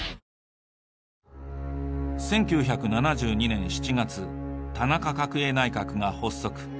１９７２年７月田中角栄内閣が発足。